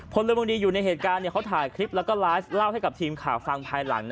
พลเมืองดีอยู่ในเหตุการณ์เขาถ่ายคลิปแล้วก็ไลฟ์เล่าให้กับทีมข่าวฟังภายหลัง